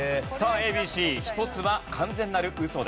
ＡＢＣ１つは完全なるウソです。